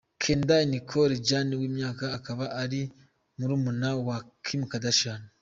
Kendall Nicole Jenner w'imyaka akaba ari murumuna wa Kim Kardashian.